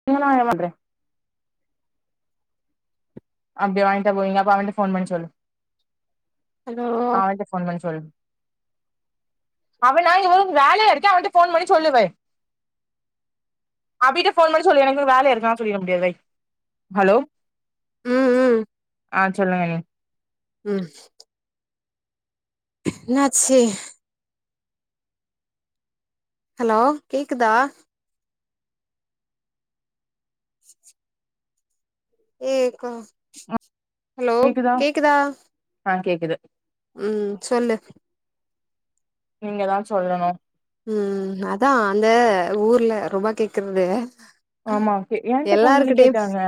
[unintelligible] அப்டி வாங்கிட்டா போவிங்க அப்ப அவன்ட்ட ஃபோன் பண்ணி சொல்லு ஹலோ அவன்ட்ட ஃபோன் பண்ணி சொல்லு அவனா இவ வேலயா இருக்க அவன்ட்ட ஃபோன் பண்ணி சொல்லுவே அவிட்ட ஃபோன் பண்ணி சொல்லு எனக்கு வேல இருக்கா நா சொல்லிட முடியாது வை ஹலோ ம் ம் ஆ சொல்லுங்கண்ணி ம் என்னாச்சு ஹலோ கேக்குதா ஹ ஏ க ஹலோ கேக்குதா ஆ கேக்குது ம் சொல்லு நீங்கதா சொல்லணு ம் அதா அந்த ஊர்ல ரொம்ப கேக்கறது ஆமா ஏன்ட்ட ஃபோன் பண்ணி கேட்டாங்க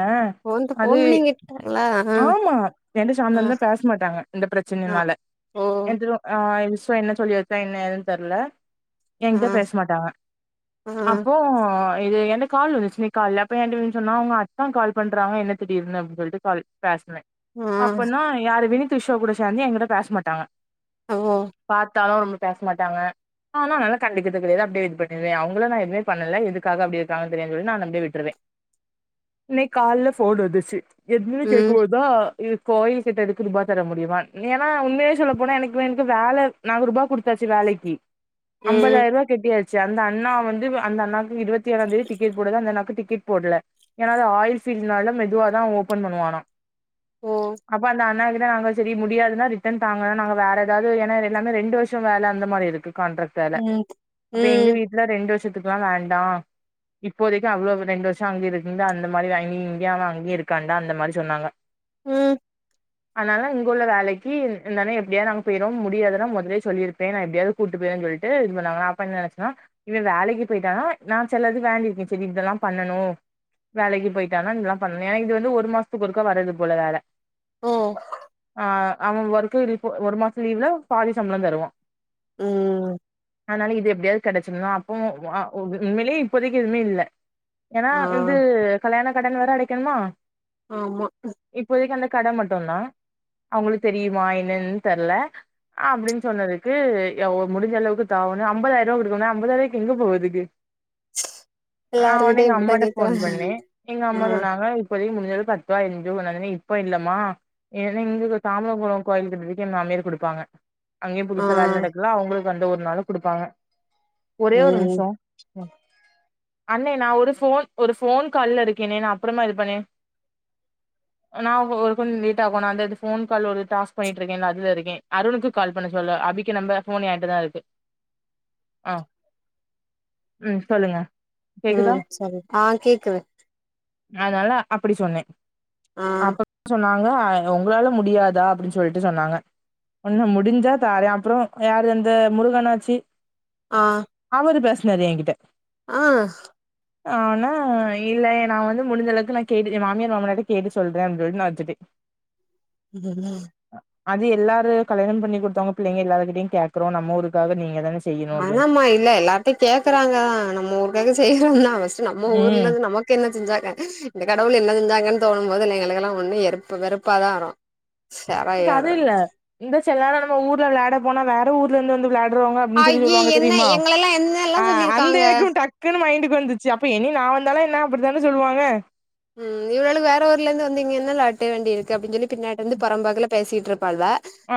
ஃபோன்ட்ட அது ஃபோன் பண்ணி கேட்டாங்களா ஆ ஆமா எந்துருச்சு வந்து ஆ வந்து பேச மாட்டாங்க இந்த ஆ பிரச்சனைனால ஓ எனக் தெரியு ஆ இஸோ என்ன சொல்லி வெச்சா என்ன ஏதுன் தெர்ல ஆ எங்கிட்ட பேச மாட்டாங்க ஆ அப்போ இது எனக் கால் வந்துச்சு இன்னைக் காலில அப்ப ஏன்ட்ட வந் சொன்னா அவுங்க அத்தா கால் பண்றாங்க என்ன திடீர்னு அப்டினு சொல்லிட்டு கால் பேசனே ஆ அப்பனா யாரு வினித் விஷ்வா கூட சேந்து எங்கிட்ட பேச மாட்டாங்க ஓ பாத்தாலு பேச மாட்டாங்க அதனா நாலா கண்டுகிறது கெடையாது அப்டே இது பண்ணிர்வே அவுங்களு நா எதுவுமே பண்ணல எதுக்காக அப்டி இருக்காங்கன் தெரியாது சொல்லி நா அப்டியே விட்ருவே இன்னைக் காலல ஃபோன் வந்துச்சு என்னனுன் ம் கேக்கும் போதா இது கோயில் கிட்டருக்கு ருபா தர முடியுமான் ஏனா உண்மையாவே சொல்ல போன எனக்கு இவனுக்கு வேல நானூறுபா குடுத்தாச்சு வேலைக்கி ம் அம்பதாயிருவா கெட்டியாச்சு அந்த அண்ணா வந்து அந்த அண்ணாக்கு இருவத்தி ஏழாந் தேதி டிக்கெட் போடுது அந்த அண்ணாக்கு டிக்கெட் போடல ஏனா அது ஆயில் ஃபீல்டுனால மெதுவாதா ஓபன் பண்ணுவானா ஓ அப்ப அந்த அண்ணாக்குதா நாங்க செரி முடியாதுன்னா ரிட்டன் தாங்க நாங்க வேற எதாவது ஏனா எல்லாமே ரெண்டு வருஷ வேல அந்த மாரி இருக்கு கான்ட்ரேக்ட் வேல ம் அப்ப எங்க ம் வீட்ல ரெண்டு வருஷத்துகெல்லா வேண்டா இப்போதைக்கு அவ்ளவு ரெண்டு வருஷ அங்கிருந்து அந்த மாரி அங்க இங்கயு அவ அங்கய இருக்கான்டா அந்த மாரி சொன்னாங்க ம் அதனால இங்குள்ள வேலைக்கு அந்தண்ண எப்டியாது நாங்க போய்ருவோ முடியாதுனா மொதலயே சொல்லிருப்பே நா எப்டியாது கூப்ட்டு போயிரு சொல்லிட்டு இது பண்ணாங்க நா அப்ப என்ன நெனச்சனா இவ வேலைக்கு போய்ட்டானா நா செல்லது வேண்டிருக்கே சேரி இதெல்லா பண்ணணு வேலைக்கு போயிட்டானா இதெல்லா பண்ணனு ஏனா இது வந்து ஒரு மாசத்துக்கு ஒருக்கா வரது போல வேல ஓ ஆ அவ ஒர்க்கு இப்ப ஒரு மாச லீவ்ல பாதி சம்பளந் தருவா ம் அனால இது எப்டியாவது கெடச்சிடனு அப்போ உண்மைலே இப்போதைக்கு எதுமே இல்ல ஏன்னா ஆ இது கல்யாண கடன வேற அடைக்கணுமா ஆமா இப்போதிக்கி அந்த கட மட்டுந்தா அவுங்களுக் தெரிமா என்னனு தெர்ல அப்டின் சொன்னதுக்கு எ ஓ முடிஞ்சளவுக்கு தவண ஐம்பதாயரூவா குடுக்கவுமே ஐம்பதாயரூவாய்க்கு எங்க போவதுக்கு நா ஒன்னே எல்லாருகிட்டயு எங்க இப்டிதா அம்மாட்ட ஃபோன் கேக்குறாங்க பண்ணே எங்க ஆ அம்மா சொன்னாங்க இப்போதக்கி முடிஞ்சது பத்தோ பதினஞ்சோ சொன்னாலுமே இப்போ இல்லம்மா ஏனா இந்துக்கள் தாமரகொளோ கோயில் கட்றதுக்கே எ மாமியார் குடுப்பாங்க அங்கே ஆ புதுசா வேல நடக்குல அவுங்களுக்கு அந்த ஒரு நாளு குடுப்பாங்க ஒரே ஒரு ம் நிம்ஷோ [inaudible] அண்ணே நா ஒரு போன் ஒரு போன் கால்ல இருக்கேனே நா அப்புறமா இது பண்ணே நா ஒகு லேட் ஆகு அந்த போன் கால் ஒரு டாஸ் பண்ணிட்டு இருக்கே அதுல இருக்கே அருனுக்கு கால் பண்ண சொல்லு அபி நம்ப ஃபோன் என்டதா இருக்கு ஆ ம் சொல்லுங்க ம் சொல் ஆ கேக்குது ஆனால அப்டி சொன்னே ஆ அப்ப சொன்னாங் க உங்ளால முடியாதா அப்டின் சொல்லிட்டு சொன்னாங்க ஒன்னு முடிஞ்சா தாரே அப்றோ யார் அந்த முருகண்ணாச்சி ஆ அவரு பேசுனாரு என்கிட்ட ஆ ஆனா இல்ல நா வந்து முடிஞ்சளவுக்கு நா கேட்டு எ மாமியார் மாமனார்ட்ட கேட்டு சொல்றே அப்டின் சொல்லிட்டு நா வச்சுட்டி இதெல்லா அது எல்லாரு கல்யாணோ பண்ணி குடுத்தாங்க பிள்ளைங்க எல்லார்கிட்டயு கேக்குறோ நம்ம ஊருக்காக நீங்க தான ஆனா மா இல்ல எல்லார்ட்டையு கேக்குறாங்க தா நம்ம ஊருக்காக செய்றோ தா ஃபஸ்ட்டு நம்ம ம் ஊர்லந்து நம க்கென்ன செஞ்சாங்க இந்த கடவுள் என்ன செஞ்சாங்கன் தோணும்போது எங்களுக்கெல்லா ஒண்ணு எருப்பு வெறுப்பாதா வரு எனக்கு அது செரையாரு இல்ல இந்த செலநேரோ நம்ம ஊர்ல வெளாட போனா வேற ஊர்லந்து வந்து வெளாட்ரோங்க அப்டின் சொல்லி ஐயி சொல்வாங்க என்ன தெரிமா எங்களெல்லா என்னெல்லா ஆ அந்த சொல்லிருக்காங்க எனக்கு டக் குனு மைண்டுக்கு வந்துச்சு அப்ப இனி நா வந்தாலு என்ன அப்டிதான சொல்வாங்க ம் இவளுக வேற ஊர்லந்து வந்து இங்கென்ன ளாட்டுவேண்டி இருக்கு அப்டின் சொல்லி பின்னாடிந்து பொறம்பாக்குல பேசிட்ருப்பாள்வ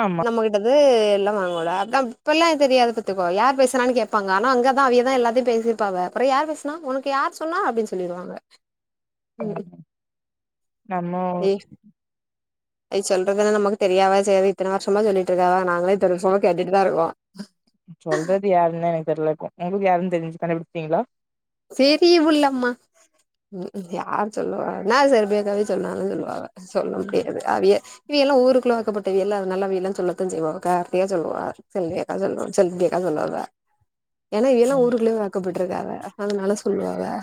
ஆமா நம்ம கிட் டது இல்லவாங்கோள அதா இப்பல்லா தெரியாது பாத்துக்கோ யார் பேசுனானு கேப்பாங்க ஆனா அங்கதா அவியதா எல்லாத்தையு பேசி ப்பாவ அப்றோ யார் பேசுனா ஒன்க்கு யார் சொன்னா அப்டின் சொல்லிருவாங்க ஆமா பே அவிய சொல்றதெல்லா நமக்கு தெரியாமயா சேரி இத்தன வர்ஷமா சொல்லிட்ருக்காவ நாங்ளே இத்தன வர்ஷமா கேட்டுட்டு தாருக்கோ சொல்றது யாருன் தா எனக்கு தெர்லக்கு உங்களுக்கு யாருனு தெரிஞ்சு கண்டுபுடிச்சிட்டீங்ளா செரி உள்ளம்மா யார் சொல்லுவா நா செல்வி அக்காவே சொன்னாலு சொல்லுவாவ சொல்ல முடியாது அவிய இவியல்லா ஊருக்குள்ள வாக்கப்பட்டவையல அதனால அவியல்லா சொல்லத்தா செய்வாவ கார்த்திகா சொல்லுவா செல்வி அக்கா சொல்லு செல்வி அக்கா சொல்லாதா ஏனா இவியலா ம் ஊருக்குள்ளே வாக்கபட்ருக்காவ அதனால சொல்வாவ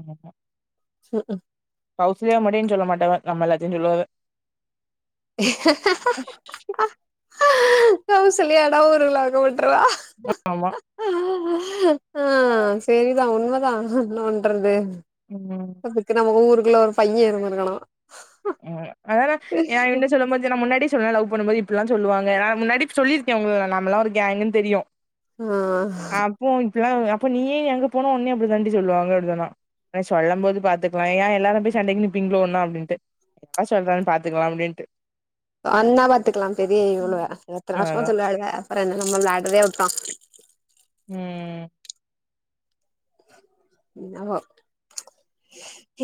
ஆமா ம்க்ம் கௌசல்யா மடின் சொல்ல மாட்டாவ நம்ம எல்லாத்தையு சொல்லுவாவ கௌசல்யான்னா உருவாக்கப்பட்ருவா ஆமா ஆ சேரிதா உண்ம தா என்ன பண்றது ம் அதுக்கு நம்ம ஊருக்குள்ள ஒரு பைய இருந்துருக்கணு ம் அதா நா ஏ என்ன சொல்லுவ பாத்தீன்னா முன்னாடி சொன்ன லவ் பண்ணும்போது இப்டில்லா சொல்வாங்க நா முன்னாடி சொல்லிருக்கே உங்கள நாமல்லா ஒரு கேங்குன் தெரியு ஆ அப்போ இப்பிட்லா சொல்லுவ அப்ப நீயே அங்க போனா உன்னயு அப்டி தாண்டி சொல்லுவாங்க அப்டி சொன்னா [unintelligible] சொல்லம்போது பாத்துக்கலா ஏ எல்லாரு போய் சண்டைக் நிப்பீங்ளோ ஒன்னா அப்டின்ட்டு யார் சொல்றான்னு பாத்துக்கலா அப்டின்ட்டு வந்தா பாத்துக்கலா பெரிய இவுளுக ம். அ எத்தன வர்ஷமா அதா சொல்லுராளுக அப்பறோ என்ன நம்ம விளாட்றதே உட்டோ ம் என்னவோ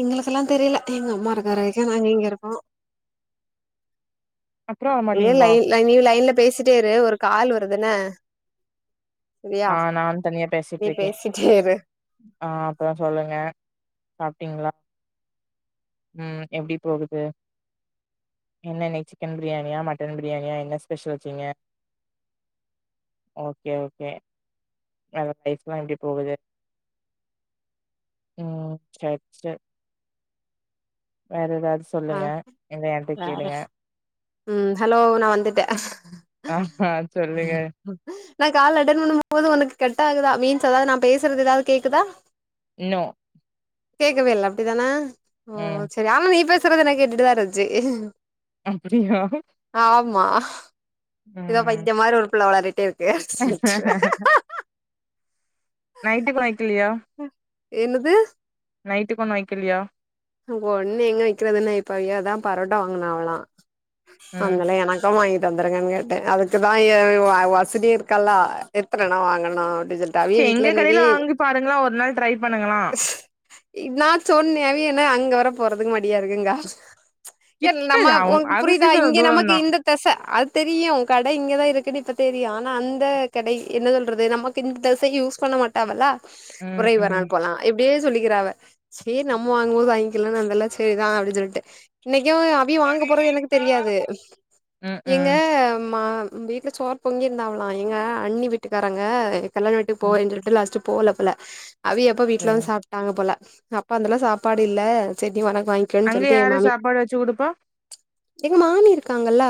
எங்களுக்கெல்லா தெரியில எங்கம்மா இருக்க வரைக்கு நாங் இங்க இருப்போ அப்றோ அப்படியே லை வரமாட்டீங்களா லைன்ல நீ லைன்ல பேசிட்டே இரு ஒரு கால் வருது என்ன சரியா ஆ நான் தனியா நீ பேசிட்ருக்கேன். பேசிட்டே இரு ஆ அப்பறோ சொல்லுங்க சாப்ட்டீங்ளா ம் எப்டி போகுது என்ன இன்னிக் சிக்கன் பிரியாணியா மட்டன் பிரியாணியா என்ன ஸ்பெஷல் வெச்சீங்க ஓகே ஓகே [unintelligible] லைஃப்லா எப்டி போகுது ம் சேர் சேர் வேற எதாவ்து ஆ சொல்லுங்க இல்ல என்ட்ட வேற கேளுங்க ம் ஹலோ நா வந்துட்டே ஆஹா சொல்லுங்க. நா கால அட்டன் பண்ணும்போது உனக்கு கட்டாகுதா மீன்ஸ் அதாவ்த் நா பேசற்து எதாவ்து கேக்குதா நோ கேக்கவே இல்ல அப்டிதான ம் செரி ஆம் நீ பேசற்து எனக் கேட்டுட்டுதா இருந்ச்சி அப்பிடியா ஆமா ம் பைத்தியோ மாரி ஒரு புள்ள ஒலரிட்டே இருக்கு நைட்டுக் வெக்கலியா ம் என்னது நைட்டுக் ஒன்னு வெக்கலியா ஒன்னு எங்க வெக்கிறது இன்னு இப்பயேதா பரோட்டா வாங்குனாவளா ம் அந்தல்ல எனக் மொத்தமா வாங்கீட் வந்துருங்கன் கேட்டே அதுக்குதா ஏ வா வசதி இருக்கல்லா எத்தனன்னோ வாங்கனு அப்டி சொல்ட்டு அவிய சரி எங்க வீட்ல கடையில இன்னைக்கி வாங்கி பாருங்களேன் ஒரு நாள் ட்ரை பண்ணுங்களா. இ நா சொன்னே அவிய என்ன அங்க வர போறதுக்கு மடியா இருக்குங்கா என்னம்மா கிட்டதா அவு உனக் அரிசி புரியிதா சாதோ இங்க நமக் தூரந்தா. இந்த தெச அது தெரியு கட இங்கதா இருக்குனு இப்ப தெரியு ஆனா அந்த கடை என்ன சொல்றது நமக் கு இந் தெசை யூஸ் பண்ண மாட் டவலா ம் ஒரே ஒரு ம். நாள் போலா இப்டியே சொல்லிக்கிறா அவ சேர் நம்ம வாங்கும்போது வ [unintelligible] அதலெல்லா செய்றா அப்டின்னு சொல்லிட்டு இன்னைக்கு அடி வாங்க போறது எனக்கு தெரியாது எங்க ம்ஹும் மா வீட்ல சோறு பொங்கிருந்தாங்கலா எங்க அண்ணி வீட்டுக்காரங்க கல்யாண வீட்டுக்கு போறேன்னு சொல்லிட்டு லாஸ்ட்டு போல போல அவே எப்ப ஓகே வீட்ல வந்து சாப்ட்டாங்க போல அப்ப அந்தெல்லா சாப் பாடு இல்ல செரி உனக்கு வாங்கிக்கனு அங்க சொல்லிட்டு எ யாரு மாமி சாப்பாடு வச்சு குடுப்பா எங்க மாமி இருக்காங்கல்லா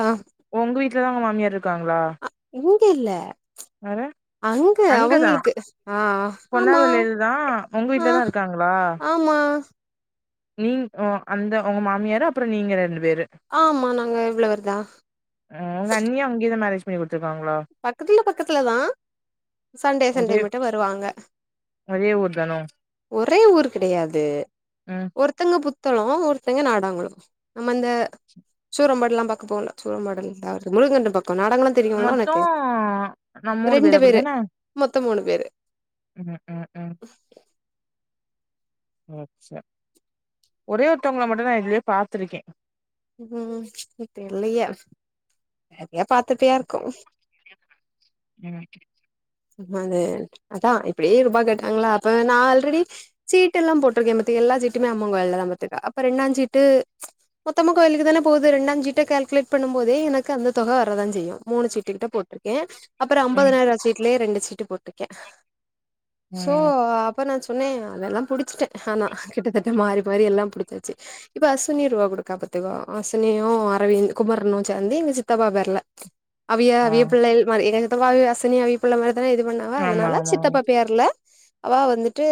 உங்க வீட்லதா உங்க மாமியார் இருக்காங்களா இங்க இல்ல வேற அங்க அங்கதா அவங்களுக்கு ஆ ஆமா ஆ உங்க ஆ வீட்லதா இருக்காங்களா ஆமா நீ அ அந்த உங்க மாமியார் அப்பற நீங்க ரெண்டு பேரு ஆமா நாங்க இவ்ள வேற்தா ம் உங்க அண்ணியு அங்க இக்கத மேரேஜ் பண்ணி குடுத்துருக்காங்களா பக்கத்துல பக்கத்துல தா சண்டே சண்டே ஒரே மட்டு வருவாங்க ஒரே ஊர் தானோ ஒரே ஊர் கெடையாது ம் ஒருத் த்தவங்க புத்தளோ ஒருத்தவங்க நாடாங்குளம் நம்ம இந்த சூரம்பாட்லா பாக்க போவோல சூரம்பாட்லா ரெண்டாவது [unintelligible] பக்கோ நாடங்குள தெரியுல உனக்கு ஓ நம்ம மூணு பேரு அப்டி தானே மொத்தோ மூணு பேரு ம் ம் ம் [unintelligible] ஒரே ஒருத்தவங்கள மட்டு நா எதுலயோ பாத்துருக்கே ம் இப்ப இல்லையே எப்பையா பாத்தப்பையா இருக்கு ம் அது அதா இப்டியே ரூபா கேட்டாங்ளா அப்ப நா ஆல்ரெடி சீட்டு எல்லா போட்டிருக்கே மத்த எல்லா சீட்டுமே அம்மங் கோயில்லதா பாத்துக்க அப்ப ரெண்டாச் சீட்டு மொத்தமா கோயிலுக்கு தானே போது ரெண்டாச் சீட்ட கால்குலேட் பண்ணும் போதே எனக்கு அந்த தொக வரதா செய்யு மூணு சீட்டு கிட்ட போட்ருக்கே அப்பற ம் ஐம்பதினாய் ரூவா சீட்லே ரெண்டு சீட்டு போட்டுருக்கே சோ ம் அப்போ நா சொன்னே அதெல்லா புடிச்சிட்டே ஆனா கிட்டத்தட் மாறி மாறி எல்லா புடிச்சாச்சு இப்ப அசுனி ரூவா குடுக்கா பாத் துக்கோ அஸ்னியு அரவிந்த் குமரனு சேந்து எங்க சித்தப்பா பேர்ல அவிய ஆ அவிய பிள்ளையில் மாரி எங்க சித்தப்பா அவிய அஸ்சினிய அவிய பிள்ள மாரி தானே இது பண்ணா அவ ஆமா அதனால ஆமா ஆமா சித்தப்பா பேர்ல அவா வந்துட்டு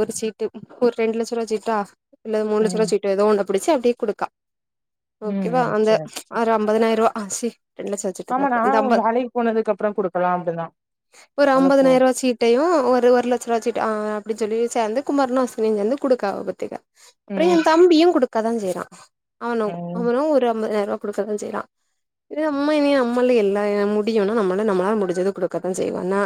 ஒரு சீட்டு ஒரு ரெண்டு லட்ச ரூவா சீட்டா அல்லது மூணு லட்ச ம் ரூவா சீட் டு ஏதோ ஒண்ண புடிச்சு அப்டியே குடுக்கா ம் ஓகேவா ம் அந்த சேர் ஒரு ஐம்பதனாயிரூவா சி ரெண்டு லட்சத் சீட்டுதா ஆமா நா இருக்கு அந்த ஐம்பத் வேலைக்கு போனதுக்கு அப்புறோ குடுக்கலா அப்டிதா ஒரு நல்லா போ ஐம்பதனாயிரூவா சீட் டையு ஒரு ஒரு லட்சரூவா சீட் ஆ அப்டி சொல்லி சேந்து குமரனு அஸ்வினி சேந்து குடுக்காங்க பாத்துக்க அப்பற எ ம் தம்பியு குடுக்கதா செய்றா அவனு ம் அவனு ஒரு ஐம்பதாயிரூவா குடுக்கதா செய்றா இது நம்ம இனி நம்மளு எல்லா முடியுன்னா நம்மளு நம்மளால முடிஞ்சது குடுக்கத்தா செய்லா நா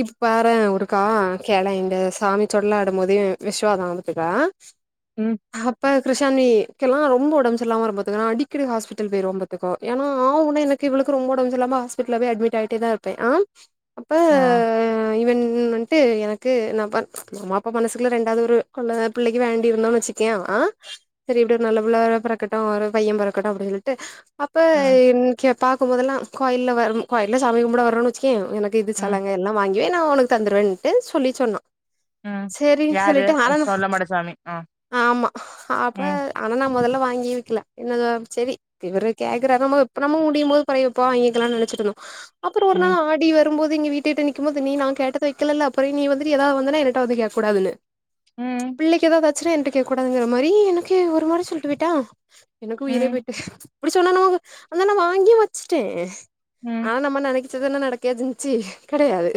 இப்பாரே ஒருக்கா கேளே இந்த சாமி சொட்ல்ல ஆடும் போதே விஷ்வா தா பாத்துக்க ம் அப்பா கிருஷாணிகெல்லா ரொம்ப உடம்பு சரியில்லாமல் வரு பாத்துக்கோ நா அடிக்கடி ஹாஸ்பிட்டல் போயிருவோ பாத்துக்கோ ஏனா ஆ உனா எனக்கு இவளுக்கு ரொம்ப ஒடம்பு சரியில்லாம ஹாஸ் பிட்டல போய் அட்மிட் ஆயிட்டே தா இருப்பே ஆம் ஆ இவன் வன்ட்டு எனக்கு நா பன் அம்மா அப்பா மனசுக்குள்ள ரெண்டாவது ஒரு கொ பிள்ளைக்கு வேண்டி இருந்தோ வச்சிக்கோ ங்க செரி இப்டி ஒரு நல்ல பிள்ள பி றக்கட்டும் ஒரு பைய பொறக்கட்டு அப்டியில்டு அப்ப ம் இன கோ பக்கும்போ தெல்லா கோயில்லா வரம் கோயில்ல சாமி கும்பட வரணு வச்சிக்கோய எனக்கு இது ம் சலங்கய எல்லா வாங்கிவை நான் உனக்கு தந்துருவன்டு சொல்லி சொன்னா ம் செரின் யாரு சொல்லிட்டு ஆனா சொல்ல மாடசாமி ஆ ஆமா ஆப்ப ம் ஆனா நா முதல்ல வாங்கி விக்கல என்னதோ செரி இவரு கேக்குறா நம்ம இப்ப நம்ம முடியும் போது [unintelligible] வாங்கிக்கிலான் நனச்சிட்டுருந்தோ அப்ரோ ஒரு ம் நாள் ஆடி வரும்போது எங்க வீ கேட்டு நிக்கும் போது நீ நா கேட்டத வைக்கலலா அப்புற நீ வந்து ஏதாவது வந்தனா எனட்ட வந்து கேக்க கூடாதுனு ம் பிள்ளைக்கு ஏதா ஆச்சினா என்ட கேக்க கூடாதுங்கிற மாரி எனக்கே ஒரு மாரி சொல்ட்டு போய்ட்டா எனக்கு உயிரே ம் போய்ட்டு ம் ச்சதன நடக்கயா செஞ்சிச்சி கெடையாது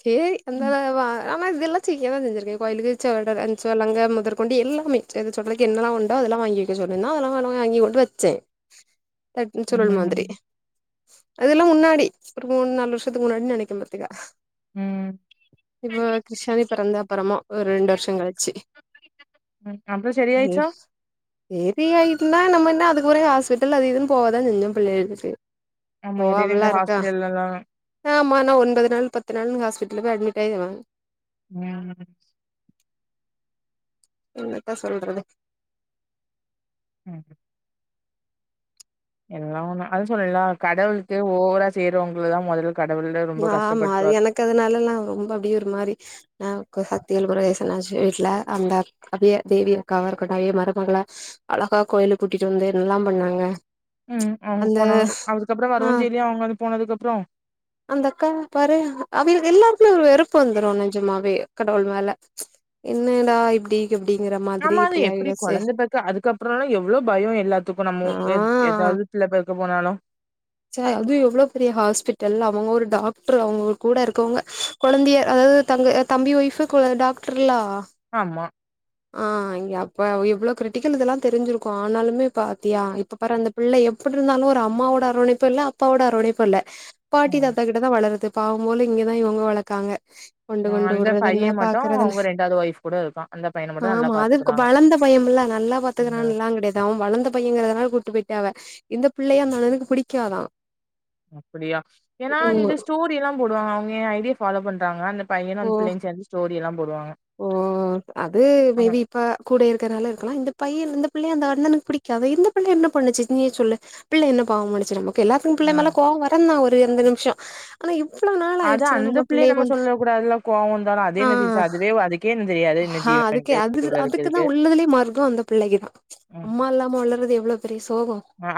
சேரி அந்தலா வா ஆனா இதெல்லா செய்ய தா செஞ்சிருக்கே கோயிலுக்கு சொடல சொலங்க முதற்கொண்டு எல்லாமே சுடைலக்கு என்னலா உண்டோ அதெல்லா வாங்கி வைக்க சொன்னனா அதெல்லா கடைல வாங்கி கொண்டு வச்ச தட்டு ம் சுருள் மாதிரி அதெல்லா முன்னாடி ஒரு மூனு நாலு வருஷத்துக்கு முன்னாடின் நினைக்க பாத்துக்கோ ம் இப்ப கிருஷ்னாணி பிறந்த அப்பறமோ ஒரு ரெண்டு வருஷம் கழிச்சி ம் அப்ரோ சரி ஆயிருச்சா பேபி ஆயிட்டுனா நம்ம என்ன அதுக்கு பெறகு ஹாஸ்பிட்டல் அது இதுன்னு போவ தா செஞ்சோ பிள்ளேளுக்கு ஆமா எடைலே இந்த ஹாஸ்பிட்டல் எல்லல்லா ஆமா நான் ஒன்பது நாள் பத்து நாள் ஹாஸ்பிட்டல போய் அட்மிட் ஆயிருவ ஆ என்னத்த சொல்றது ம் ஹ எல்லா ஒன்னு அதுவு சொல்லுலா கடவுலுக்கு ஓவரா செய்றவங்களதா முதல்ல கடவுள்ளு ஆமா அது எனக்கு அதனாலல்லா ரொம்ப அப்டியே ஒரு மாரி நா சக்தியல் பிரதேசம்லா வச்சி வீட்ல அந்த அவிய தேவி அக்காவா இருக்கட்டு அவிய மருமகள அழகா கோயிலு கூட்டிட்டு வந்து என்னல்லாம் பண்ணாங்க ம் அவங்க அந்த போனாங்க அதுக்கு அப்புறம் ஆ வரவு செயிலியா அவங்க அது போனதுக்கு அப்ரோ அந்த அக்கா பாரு அவிய எல்லாருக்குமே ஒரு வெறுப்பு வந்துரு நேசமாவே கடவுள் மேல என்னடா இப்டி எப்டிங்கிறமா ஆமா அது எப்டி குழந்த போக்க அதுக்கப்புறலா எவ்ளோ பயோ எல்லாத்துக்கு நாம்மோ ஆ ஏ ஏதாவது பிள்ள பேக்க போனாலு ச அது எவ்ளோ பெரிய ஹாஸ்பிட்டல் அவங்க ஒரு டாக்டர் அவங்க கூட இருக்கவங்க குழந்தைய அதாவது தங்கை தம்பி ஒய்ஃப் குழந் டாக்டர்லா ஆமா ஆ இங்க அப்ப அவ் இவ்ளோ கிரிட்டிக்கல் இதெல்லா தெரிஞ்சிருக்கும் ஆனாலுமே பாத்தியா இப்ப பாரு அந்தப் பிள்ளா எப்டி இருந்தாலு ஒரு அம்மாவோட அரவணைப்பு இல்ல அப்பாவோட அரவணைப்பு இல்ல பாட்டி ம். தாத்தா கிட்ட அப்டிதா வளரது பாவோ போல இங்கதா இவ்க வழக்கார்க்காங்க கொண்டு அஹ் கொண்டு அந்த உட்றது என்ன பையன் மட்டும் பாக்கறது என்ன அவங்க ஒய்ஃப் கூட இருக்கான். அந்த பையன மட்டும் நல்லா ஆமா அது பாத்துக்கிறாங்க. வளந்த பயமில்ல நல்லா ம். பாத்துக்கரான்ல்லா கெடையாது இது அவ வளந்த பையங்கறதனால கூட்டு போயிட்ட அவ இந்த பிள்ளைய அந்த அண்ணனுக்கு பிடிக்காதா அப்டியா ஏனா இந்த ம் ஸ்டோரி எல்லா போடுவாங்க அவுங்க எ ஐ டி ய ஃபாலோ பண்றாங்க அந்த பையனு ஓ அந்த பிள்ளைையு சேந்து ஸ்டோரி எல்லா போடுவாங்க ஓ அது மேபி ம். இப்ப கூட இருக்கிறனால இருக்கலா இந்த பைய்யே இந்த பிள்ளைய அந்த அண்ணனுக்கு பிடிக்காது இந்த பிள்ளை என்ன பண்ணுச்சு நீயே சொல்லு பிள்ளை என்ன பாவ பண்ணுச்சு நமக்கு எல்லாத்துக்கு பிள்ளை மேல ம். கோவோ வருந்தா ஒரு எந்த நிம்ஷோ ஆனா இவ்ளவு நாள் அது ஆயிடுச்சல்ல அந்த நம்ம பிள்ளைய கொண்டு சொல்லக்கூடாதுல்ல கோவம் வந்தாலும் அது ஆ என்ன செய்யுச்சு? அதுவே அதுக்கே என்னன் தெரியாது என்ன ஆ ஜீவன் அதுக்கே அது இதுக்குள்ள அதுக்குதா இருக்குதுக்கு. உள்ளதுலே மர்கோ அந்த பிள்ளைகதா அம்மா இல்லாம வளர்றது எவ்ளோ பெரிய சோகோ ஆ